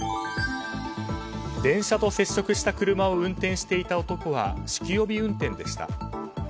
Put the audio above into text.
電車と接触した車を運転していた男は酒気帯び運転でした。